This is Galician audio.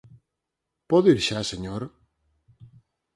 Podo ir xa, señor?